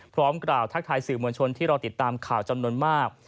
พร้อมกล่าวทักทายสื่อมวลชนที่รอติดตามข่าวจำนวนมาก